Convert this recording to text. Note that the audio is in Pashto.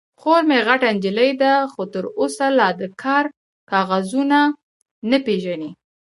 _خور مې غټه نجلۍ ده، خو تر اوسه لا د کار کاغذونه نه پېژني.